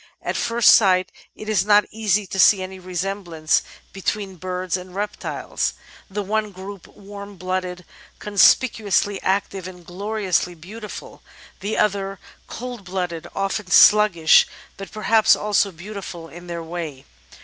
At first sight it is not easy to see any resemblance 396 The Outline of Science between Birds and Reptiles, the one group wann blooded, con spicuously active, and gloriously beautiful, the other cold blooded, often sluggish, but perhaps also beautiful in their way.